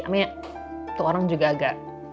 ame itu orang juga agak